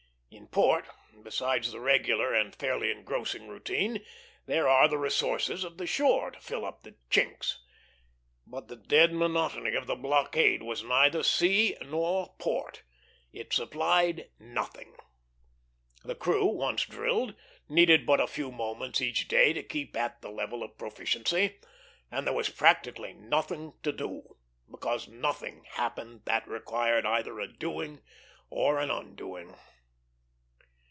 In port, besides the regular and fairly engrossing routine, there are the resources of the shore to fill up the chinks. But the dead monotony of the blockade was neither sea nor port. It supplied nothing. The crew, once drilled, needed but a few moments each day to keep at the level of proficiency; and there was practically nothing to do, because nothing happened that required either a doing or an undoing.